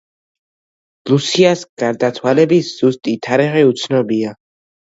ლუსიას გარდაცვალების ზუსტი თარიღი უცნობია.